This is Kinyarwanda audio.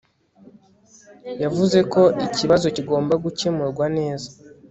yavuze ko ikibazo kigomba gukemurwa neza